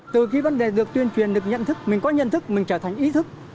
từ khi vấn đề được tuyên truyền được nhận thức mình có nhận thức mình trở thành ý thức